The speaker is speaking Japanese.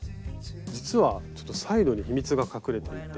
実はちょっとサイドに秘密が隠れていて。